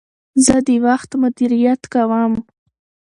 زه د وخت مدیریت کوم.